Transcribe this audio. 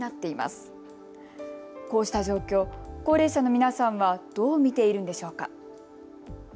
こうした状況、高齢者の皆さんはどう見ているんでしょうか。